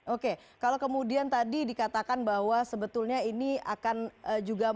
oke kalau kemudian tadi dikatakan bahwa sebetulnya ini akan juga berhasil